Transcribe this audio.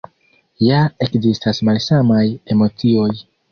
Ja ekzistas malsamaj emocioj.